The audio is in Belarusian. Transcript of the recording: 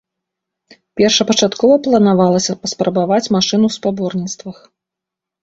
Першапачаткова планавалася паспрабаваць машыну ў спаборніцтвах.